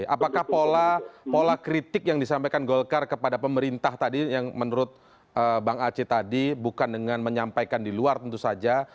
apakah pola kritik yang disampaikan golkar kepada pemerintah tadi yang menurut bang aceh tadi bukan dengan menyampaikan di luar tentu saja